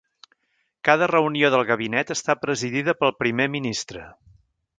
Cada reunió del gabinet està presidida pel Primer Ministre.